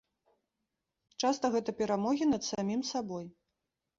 Часта гэта перамогі над самім сабой.